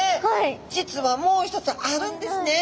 実はもう一つあるんですね。